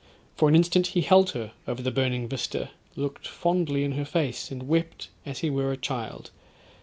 For an instant he held her over the burning vista, looked fondly in her face and wept as he were a child.